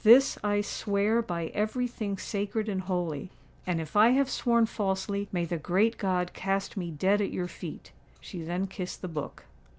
This I swear by every thing sacred and holy; and if I have sworn falsely, may the great God cast me dead at your feet." She then kissed the book.